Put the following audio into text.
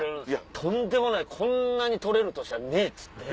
とんでもないこんなに取れる年はねえっつって。